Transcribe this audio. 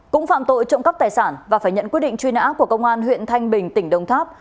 cũng phạm tội trộm cắp tài sản và phải nhận quyết định truy nã của công an huyện thanh bình tỉnh đồng tháp